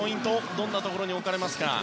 どんなところに置かれますか？